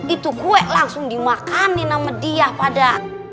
itu kue langsung dimakanin sama dia pada